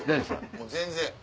もう全然。